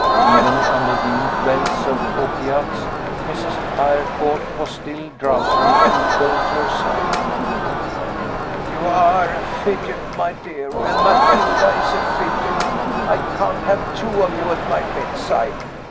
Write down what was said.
Even under the influence of opiates, Mrs. Eyrecourt was still drowsily equal to herself. "You are a fidget, my dear, and Matilda is a fidget I can't have two of you at my bedside.